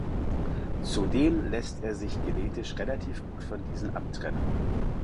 Zudem lässt er sich genetisch relativ gut von diesen abtrennen.